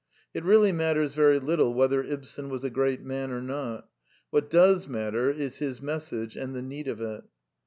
It really matters very little whether Ibsen was a great man or not : what does matter is his message and the need of it.